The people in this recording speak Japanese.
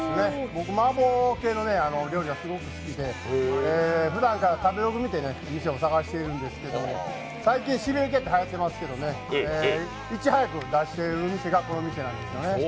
僕麻婆系の料理がすごい好きでふだんから食べログ見て店を探してるんですけど、最近、しびれ系はやってますけどいち早く出している店がこの店なんです。